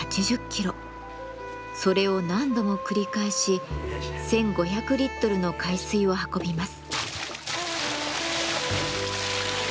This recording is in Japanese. それを何度も繰り返し１，５００リットルの海水を運びます。